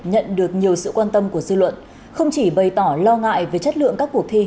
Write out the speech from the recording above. nhận được nhiều sự quan tâm của dư luận không chỉ bày tỏ lo ngại về chất lượng các cuộc thi